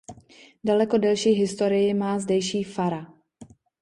Daleko delší historii má zdejší fara.